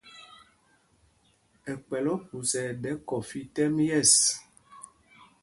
Ɛ kpɛl Ophusa ɛɗɛ kɔfí tɛ́m yɛ̂ɛs.